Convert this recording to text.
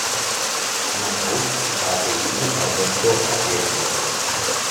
Na pouť přicházejí i Alberto a Pietro.